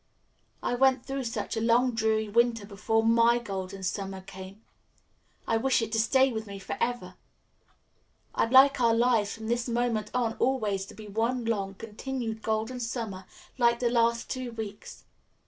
"I went through such a long, dreary winter before my Golden Summer came. Now I wish it to stay with me forever. I'd like our lives from this moment on always to be one long, continued Golden Summer like the last two weeks.